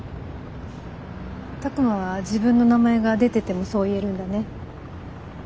拓真は自分の名前が出ててもそう言えるんだね。